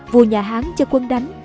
vua nhà hán cho quân đánh